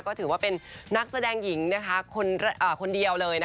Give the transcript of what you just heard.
ก็ถือว่าเป็นนักแสดงหญิงคนเดียวเลย